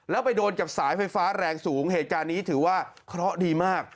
แล้วไปโดนกับสายไฟฟ้าแรงสูงเหตุการณ์นี้ถือว่าเคราะห์ดีมาก